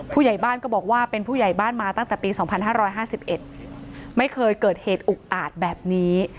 ผู้ใหญ่บ้านก็บอกว่าเป็นผู้ใหญ่บ้านมาตั้งแต่ปี๒๕๕๑ไม่เคยเกิดเหตุอุกอาจแบบนี้